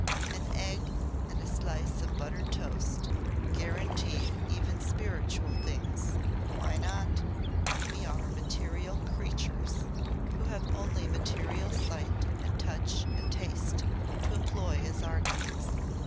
"An egg and a slice of buttered toast guarantee even spiritual things. Why not? We are material creatures who have only material sight and touch and taste to employ as arguments.